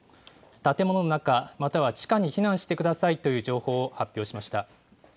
建物の中、または地下に避難してくださいという情報を発表しました。